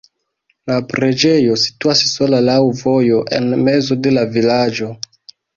La preĝejo situas sola laŭ vojo en mezo de la vilaĝo.